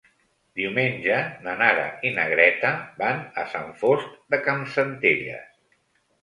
Diumenge na Nara i na Greta van a Sant Fost de Campsentelles.